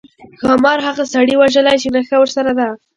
ښامار هغه سړي وژلی چې نخښه ورسره ده.